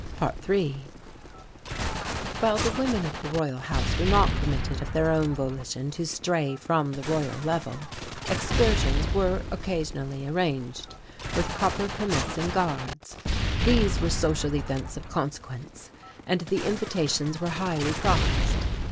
~3~ While the women of the Royal House were not permitted of their own volition to stray from the Royal Level, excursions were occasionally arranged, with proper permits and guards. These were social events of consequence and the invitations were highly prized.